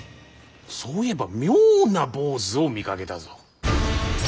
そういえば妙な坊主を見かけたぞ。